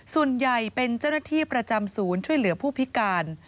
ส่วนใหญ่เป็นเจ้าหน้าที่ประจำศูนย์ช่วยเหลือผู้พิการ